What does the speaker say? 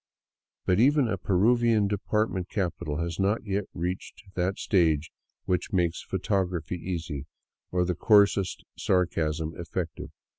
But even a Peruvian department capital has not yet reached that stage which makes photography easy, or the coarsest sarcasm effective.